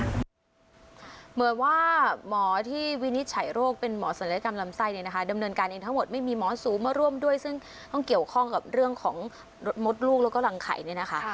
เหมือนว่าหมอที่วินิจฉัยโรคเป็นหมอศัลยกรรมลำไส้เนี่ยนะคะดำเนินการเองทั้งหมดไม่มีหมอสูงมาร่วมด้วยซึ่งต้องเกี่ยวข้องกับเรื่องของมดลูกแล้วก็รังไข่เนี่ยนะคะ